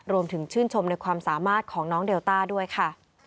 ชื่นชมในความสามารถของน้องเดลต้าด้วยค่ะ